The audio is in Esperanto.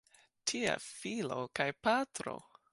Tia filo kia patro!